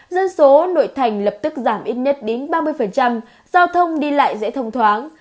dân số nội thành lập tức giảm ít nhất đến ba mươi giao thông đi lại dễ thông thoáng